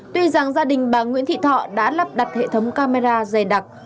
tuy rằng gia đình bà nguyễn thị thọ đã lắp đặt hệ thống camera dày đặc